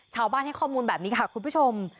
ชาวบ้านให้ข้อมูลแบบนี้ค่ะคุณผู้ชม